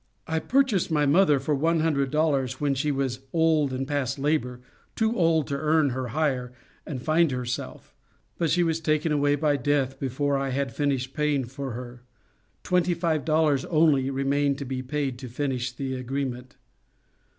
I purchased my mother for one hundred dollars, when she was old and past labor, too old to earn her hire and find herself; but she was taken away by death, before I had finished paying for her; twenty five dollars only remained to be paid to finish the agreement.